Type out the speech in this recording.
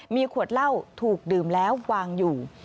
มีขวดเหล้าถูกดื่มแล้ววางอยู่